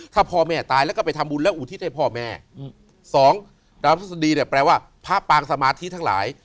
ถ้าพ่อแม่ตายแล้วก็ไปทำบุญแล้วอุทิศให้พ่อแม่อืมสองดาวทฤษฎีเนี่ยแปลว่าพระปางสมาธิทั้งหลาย